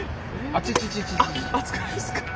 熱くないですか？